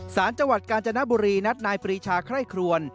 สารจังหวัดกาญจนบุรีนัดนายปรีชาไคร่ครวน